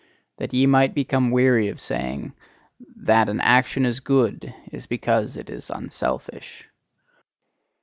That ye might become weary of saying: "That an action is good is because it is unselfish."